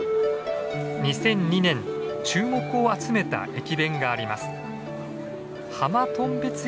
２００２年注目を集めた駅弁があります。